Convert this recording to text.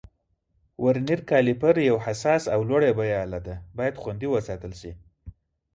ورنیر کالیپر یو حساس او لوړه بیه آله ده، باید خوندي وساتل شي.